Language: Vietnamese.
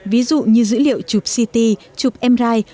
ví dụ như dữ liệu chụp ct chụp mri